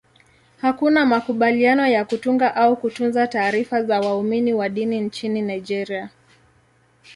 Hakuna makubaliano ya kutunga au kutunza taarifa za waumini wa dini nchini Nigeria.